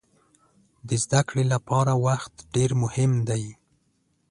د زده کړې لپاره وخت ډېر مهم دی.